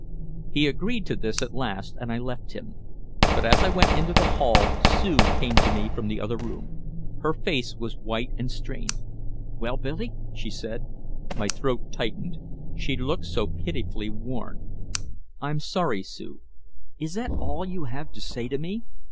He agreed to this at last and I left him. But as I went into the hall Sue came to me from the other room. Her face was white and strained. "Well, Billy?" she said. My throat tightened. She looked so pitifully worn. "I'm sorry, Sue " "Is that all you have to say to me?"